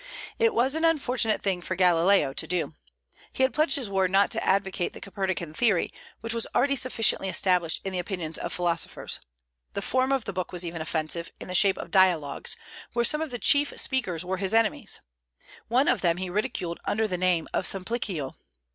It was an unfortunate thing for Galileo to do. He had pledged his word not to advocate the Copernican theory, which was already sufficiently established in the opinions of philosophers. The form of the book was even offensive, in the shape of dialogues, where some of the chief speakers were his enemies. One of them he ridiculed under the name of Simplicio.